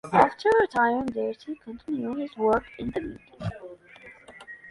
After retiring Darcy continued his work in the media.